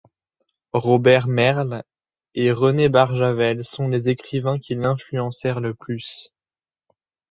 Robert Merle et René Barjavel sont les écrivains qui l'influencèrent le plus.